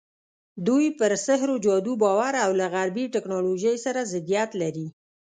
دوی پر سحر او جادو باور او له غربي ټکنالوژۍ سره ضدیت لري.